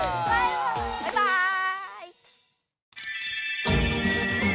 バイバーイ！